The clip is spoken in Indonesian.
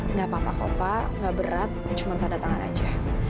nggak apa apa nggak berat cuma tanda tangan aja